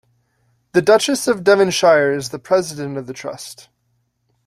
The Duchess of Devonshire is the president of the Trust.